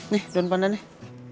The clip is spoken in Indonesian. nih daun pandan nih